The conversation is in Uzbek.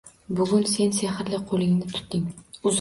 Bugun sen sehrli qo’lingni tutding